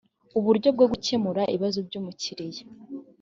uburyo bwo gukemura ibibazo by umukiriya